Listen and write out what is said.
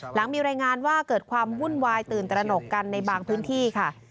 หลังมีรายงานว่าเกิดความวุ่นวายตื่นตระหนกกันในบางพื้นที่ค่ะ